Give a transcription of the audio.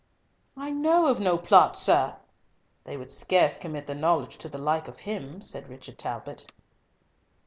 "I know of no plot, sir." "They would scarce commit the knowledge to the like of him," said Richard Talbot.